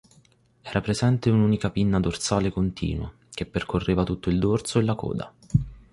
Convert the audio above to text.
Era presente un'unica pinna dorsale continua, che percorreva tutto il dorso e la coda.